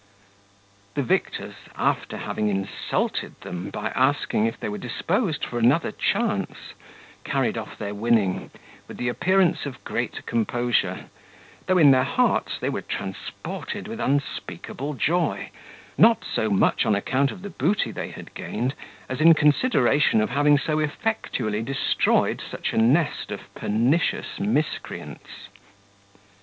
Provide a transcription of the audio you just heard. The victors, after having insulted them, by asking, if they were disposed for another chance, carried off their winning, with the appearance of great composure, though in their hearts they were transported with unspeakable joy; not so much on account of the booty they had gained, as in consideration of having so effectually destroyed such a nest of pernicious miscreants.